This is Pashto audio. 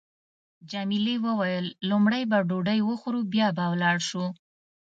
جميلې وويل: لومړی به ډوډۍ وخورو بیا به ولاړ شو.